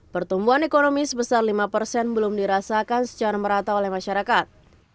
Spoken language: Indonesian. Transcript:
pertumbuhan ekonomi sebesar lima persen belum dirasakan secara merata oleh masyarakat